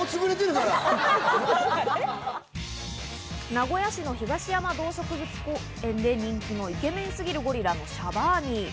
名古屋市の東山動物園で人気のイケメンすぎるゴリラ、シャバーニ。